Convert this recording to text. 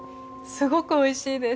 すごくおいしいです。